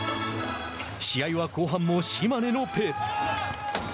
試合は後半も島根のペース。